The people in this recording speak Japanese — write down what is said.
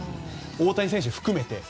大谷選手を含めて。